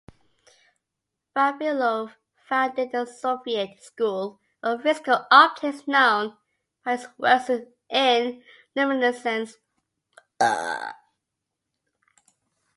Vavilov founded the Soviet school of physical optics, known by his works in luminescence.